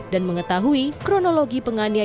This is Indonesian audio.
dan mengetahui kronologi penganiayaan